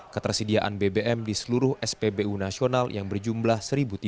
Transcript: ketersediaan bbm di seluruh spbu nasional yang berjumlah satu tiga ratus